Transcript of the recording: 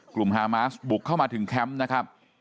กลุ่มฮามาซ์บุกเข้ามาถึงแคมป์นะครับ